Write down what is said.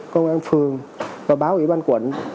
công an phường và báo ủy ban quận